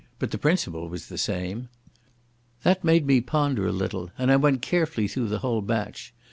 But the principle was the same. That made me ponder a little, and I went carefully through the whole batch.